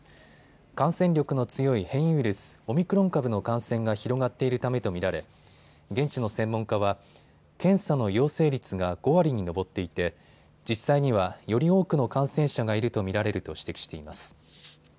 感染力の強い変異ウイルス、オミクロン株の感染が広がっているためと見られ現地の専門家は検査の陽性率が５割に上っていて実際にはより多くの感染者がいると見られると指摘しています。